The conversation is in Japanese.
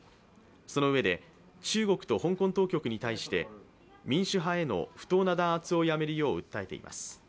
そのうえで、中国と香港当局に対して民主派への不当な弾圧をやめるよう訴えています。